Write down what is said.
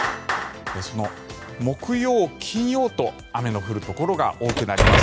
その木曜、金曜と雨の降るところが多くなります。